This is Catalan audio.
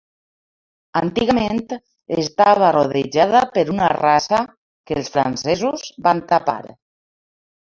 Antigament, estava rodejada per una rasa que els francesos van tapar.